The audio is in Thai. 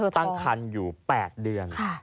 ตั้งครรภ์อยู่๘เดือน